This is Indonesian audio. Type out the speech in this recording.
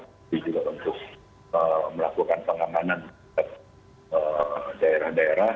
jadi pak ndika ini tentu saja harus melakukan pengamanan pada daerah daerah